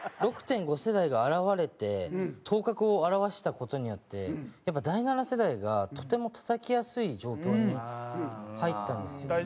６．５世代が現れて頭角を現した事によってやっぱ第七世代がとてもたたきやすい状況に入ったんですよ。